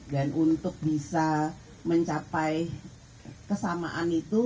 dan untuk bisa mencapai kesamaan itu